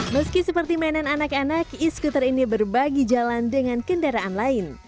meski seperti mainan anak anak e scooter ini berbagi jalan dengan kendaraan lain